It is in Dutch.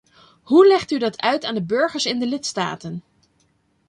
Hoe legt u dat uit aan de burgers in de lidstaten?